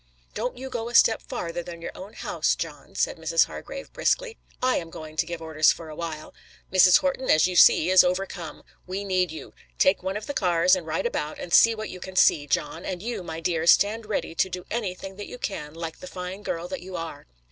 "Don't you go a step farther than your own house, John," said Mrs. Hargrave briskly. "I am going to give orders for awhile. Mrs. Horton, as you see, is overcome. We need you. Take one of the cars and ride about and see what you can see, John, and you, my dear, stand ready to do anything that you can, like the fine girl that you are."